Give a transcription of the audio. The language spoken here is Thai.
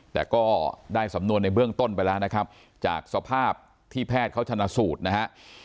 แต่ก็ได้สำนวนในเบื้องต้นไปแล้วนะครับจากสภาพที่แพทย์เขาชนะสูตรนะฮะ